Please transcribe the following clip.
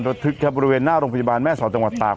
รถทิศทางบริเวณหน้าร่มพยาบาลแม่ศาลจังหวัดต่าง